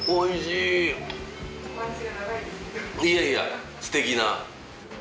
いやいやすてきな。